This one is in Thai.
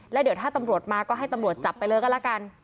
แล้วเดี๋ยวถ้าตำรวจมาก็ให้ตำรวจจับไปเลยก็แล้วกัน